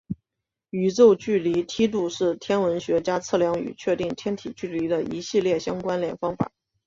宇宙距离梯度是天文学家测量与确定天体距离的一系列相关联方法。